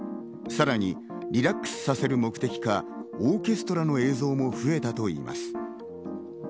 さらにリラックスさせる目的か、オーケストラの映像も増えたといいます。